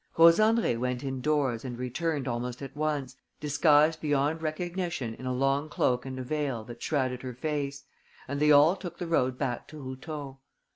Rose Andrée went indoors and returned almost at once, disguised beyond recognition in a long cloak and a veil that shrouded her face; and they all took the road back to Routot.